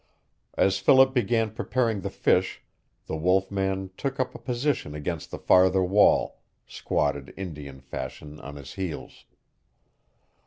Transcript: As Philip began preparing the fish the wolf man took up a position against the farther wall, squatted Indian fashion on his heels.